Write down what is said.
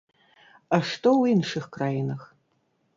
А што ў іншых краінах?